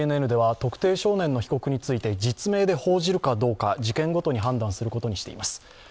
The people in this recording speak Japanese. ＪＮＮでは特定少年の被告については実名で報じるかどうか事件ごとに判断することにしています。